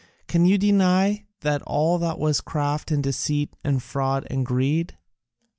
Can you deny that all that was craft and deceit and fraud and greed?"